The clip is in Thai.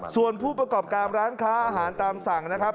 ส่วนผู้ประกอบการร้านค้าอาหารตามสั่งนะครับ